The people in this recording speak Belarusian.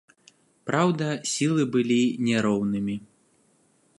Праўда, сілы былі не роўнымі.